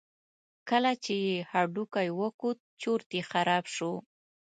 کله چې یې هډوکی وکوت چورت یې خراب شو.